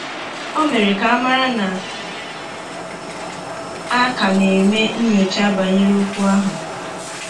o mere ka a mara na a ka na-eme nnyòcha banyere okwu ahụ